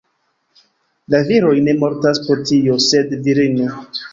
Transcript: La viroj ne mortas pro tio, sed virino!